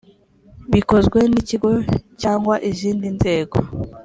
bikozwe n’ ikigo cyangwa izindi nzego